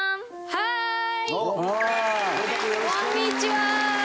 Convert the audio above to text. はい。